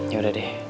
ya udah deh